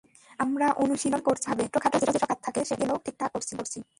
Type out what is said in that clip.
আমরা অনুশীলন করছি ঠিকভাবে, ছোটখাটো যেসব কাজ থাকে সেগুলোও ঠিকঠাক করছি।